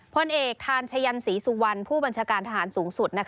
พลเอกทานชะยันศรีสุวรรณผู้บัญชาการทหารสูงสุด